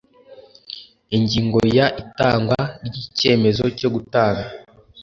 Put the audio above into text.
ingingo ya itangwa ry icyemezo cyo gutanga